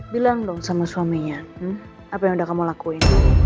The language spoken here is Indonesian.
bilang dong sama suaminya apa yang udah kamu lakuin